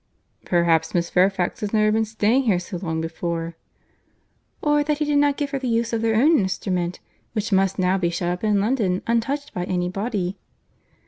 "Perhaps Miss Fairfax has never been staying here so long before." "Or that he did not give her the use of their own instrument—which must now be shut up in London, untouched by any body."